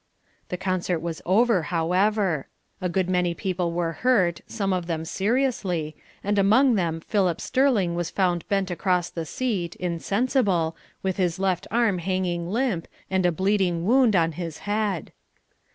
The concert was over, however. A good many people were hurt, some of them seriously, and among them Philip Sterling was found bent across the seat, insensible, with his left arm hanging limp and a bleeding wound on his head.